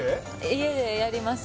家でやります